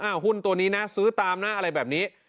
หุ้นตัวนี้นะซื้อตามนะอะไรแบบนี้